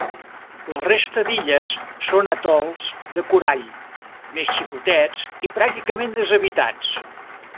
La resta d'illes són atols de corall més xicotets i pràcticament deshabitats.